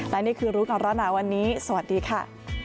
และนี่คือรู้ก่อนร้อนหนาวันนี้สวัสดีค่ะ